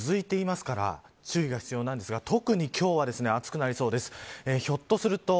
長く続いていますから注意が必要ですが特に、今日は暑くなりそうです。